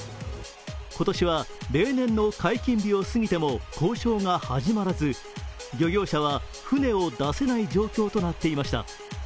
今年は例年の解禁日を過ぎても交渉が始まらず、漁業者は船を出せない状況となっていました。